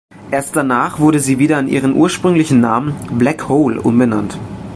Erst danach wurde sie wieder in ihren ursprünglichen Namen "Black Hole" umbenannt.